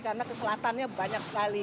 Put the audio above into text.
karena ke selatannya banyak sekali